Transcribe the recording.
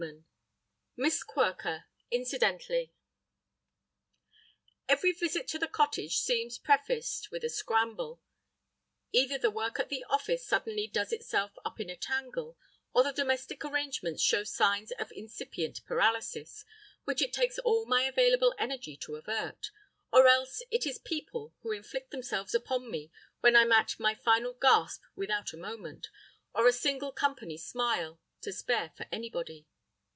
IV Miss Quirker—Incidentally EVERY visit to the cottage seems prefaced with a scramble. Either the work at the office suddenly does itself up in a tangle, or the domestic arrangements show signs of incipient paralysis, which it takes all my available energy to avert, or else it is people who inflict themselves upon me when I'm at my final gasp without a moment, or a single company smile, to spare for anybody.